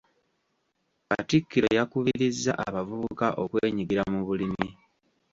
Katikkiro yakubirizza abavubuka okwenyigira mu bulimi.